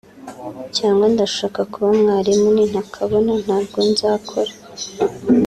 cyangwa ndashaka kuba mwarimu nintakabona ntabwo nzakora